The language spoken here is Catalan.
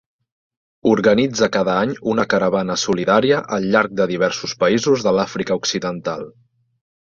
Organitza cada any una caravana solidària al llarg de diversos països de l'Àfrica Occidental.